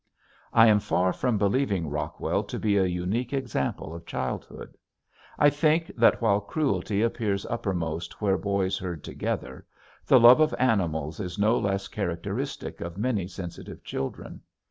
I am far from believing Rockwell to be a unique example of childhood. I think that while cruelty appears uppermost where boys herd together, the love of animals is no less characteristic of many sensitive children.